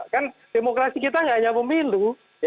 kan demokrasi kita nggak hanya pemilu